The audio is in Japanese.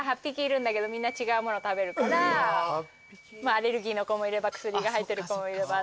アレルギーの子もいれば薬が入ってる子もいればだから。